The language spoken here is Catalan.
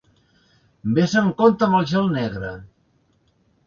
Ves amb compte amb el gel negre!